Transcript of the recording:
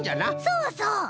そうそう。